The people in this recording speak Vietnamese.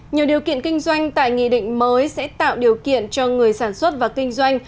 nhiều điều kiện kinh doanh tại nghị định mới sẽ tạo điều kiện cho người sản xuất và kinh doanh